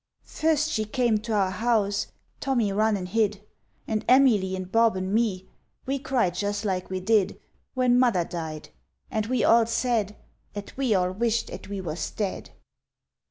First she come to our house, Tommy run and hid; And Emily and Bob and me We cried jus' like we did When Mother died, and we all said 'At we all wisht 'at we was dead!